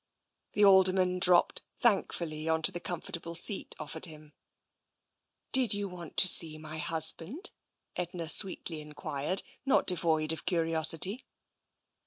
The Alderman dropped thankfully on to the com fortable seat offered him. Did you want to see my husband ?" Edna sweetly enquired, not devoid of curiosity.